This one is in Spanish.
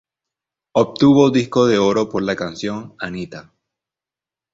Obtuvo Disco de Oro por la canción "Anita".